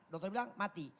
dokter bilang mati